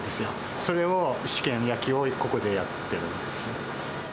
それを試験焼きをここでやってるんですね。